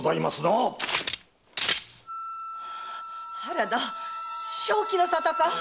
原田正気の沙汰か⁉